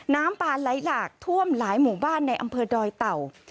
น้ำป่าไหลหลากท่วมหลายหมู่บ้านในอำเภอดอยเต่า